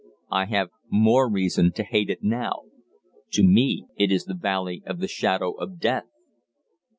I have more reason to hate it now. To me it is the Valley of the Shadow of Death.